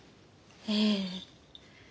ええ。